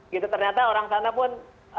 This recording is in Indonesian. gitu ternyata orang sana pun